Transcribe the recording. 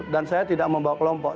dan saya tidak membawa kelompok